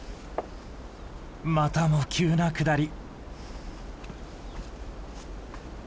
またも急な下り。